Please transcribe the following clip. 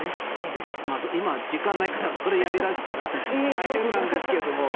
今、時間ないからそれやりだしたら大変なんですけれども。